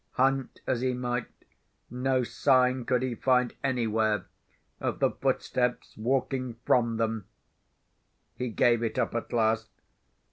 Hunt as he might, no sign could he find anywhere of the footsteps walking from them. He gave it up at last.